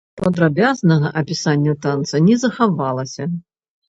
Падрабязнага апісання танца не захавалася.